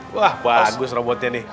wah bagus robotnya nih